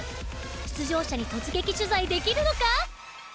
出場者に突撃できるのか？